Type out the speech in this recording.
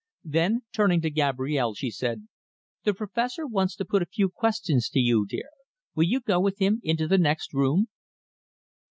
Then, turning to Gabrielle, she said: "The Professor wants to put a few questions to you, dear. Will you go with him into the next room?"